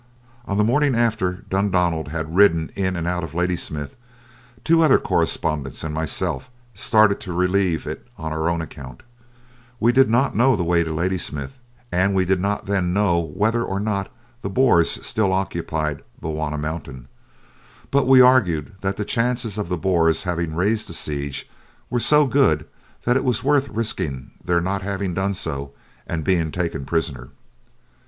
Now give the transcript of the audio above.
On the morning after Dundonald had ridden in and out of Ladysmith, two other correspondents and myself started to relieve it on our own account. We did not know the way to Ladysmith, and we did not then know whether or not the Boers still occupied Bulwana Mountain. But we argued that the chances of the Boers having raised the siege were so good that it was worth risking their not having done so, and being taken prisoner.